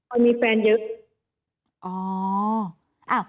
ออยมีแฟนเยอะ